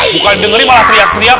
bukan dengerin malah teriak teriak